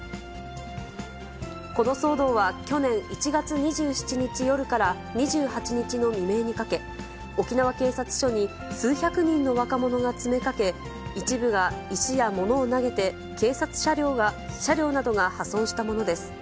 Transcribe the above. この騒動は去年１月２７日夜から２８日の未明にかけ、沖縄警察署に数百人の若者が詰めかけ、一部が石や物を投げて、警察車両などが破損したものです。